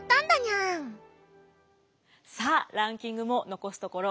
さあランキングも残すところ